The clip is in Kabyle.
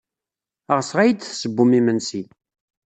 Ɣseɣ ad iyi-d-tessewwem imensi.